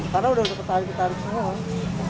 karena udah ketarik ketarik semua